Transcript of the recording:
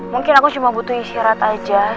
mungkin aku cuma butuh isyarat aja